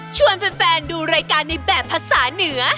ชวนแฟนดูรายการในแบบภาษาเหนือ